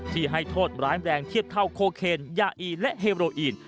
ที่ให้โทษร้ายแรงเทียบเท่าโคเคนยาอีและเฮโรอีน